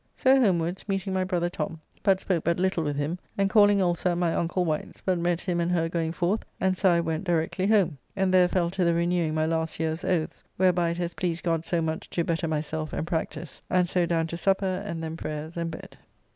So homewards, meeting my brother Tom, but spoke but little with him, and calling also at my uncle Wight's, but met him and her going forth, and so I went directly home, and there fell to the renewing my last year's oaths, whereby it has pleased God so much to better myself and practise, and so down to supper, and then prayers and bed.